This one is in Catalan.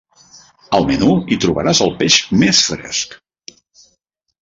Al menú hi trobaràs el peix més fresc.